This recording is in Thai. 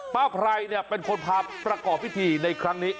ป้าไพรเนี่ยเป็นคนพาประกอบพิธีในครั้งนี้